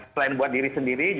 selain buat diri sendiri